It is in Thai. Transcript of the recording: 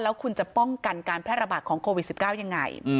แล้วคุณจะป้องกันการแพร่ระบาดของโควิด๑๙ยังไง